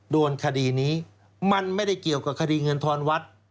โดนคดีนี้มันไม่ได้เกี่ยวกับคดีเงินทอนวัด